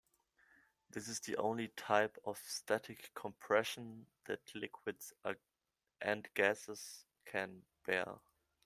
This is the only type of static compression that liquids and gases can bear.